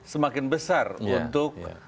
semakin besar untuk